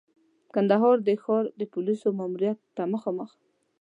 کندهار د ښار د پولیسو ماموریت ته مخامخ.